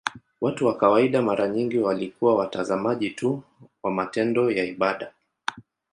Watu wa kawaida mara nyingi walikuwa watazamaji tu wa matendo ya ibada.